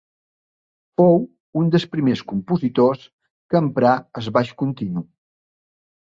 Fou un dels primers compositors que emprà el baix continu.